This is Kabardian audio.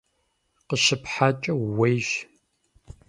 КъыщыпхьакӀэ ууейщ!